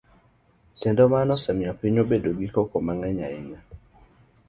Kendo mano osemiyo pinywa obedo gi koko mang'eny ahinya.